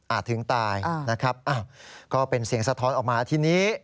ถึงตายนะครับอ้าวก็เป็นเสียงสะท้อนออกมาทีนี้